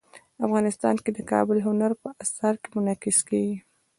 افغانستان کې کابل د هنر په اثار کې منعکس کېږي.